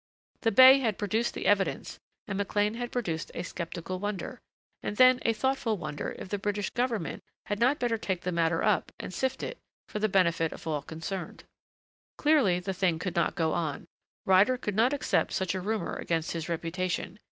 The bey had produced the evidence and McLean had produced a skeptical wonder, and then a thoughtful wonder if the British government had not better take the matter up and sift it, for the benefit of all concerned. Clearly the thing could not go on. Ryder could not accept such a rumor against his reputation.